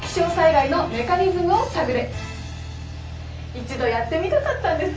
一度やってみたかったんです。